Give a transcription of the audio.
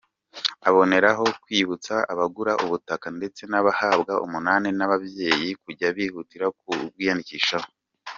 Aboneraho kwibutsa abagura ubutaka ndetse n’abahabwa umunani n’ababyeyi, kujya bihutira kubwiyandikishaho.